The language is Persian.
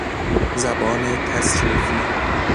زبان تصریفی